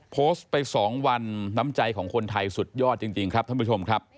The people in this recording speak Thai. โพสต์ไป๒วันน้ำใจของคนไทยสุดยอดจริงครับท่านผู้ชมครับ